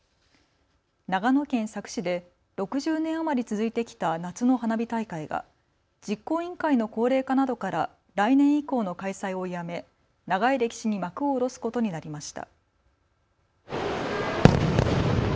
長野県佐久市で６０年余り続いてきた夏の花火大会が実行委員会の高齢化などから来年以降の開催をやめ長い歴史に幕を下ろすことになりました。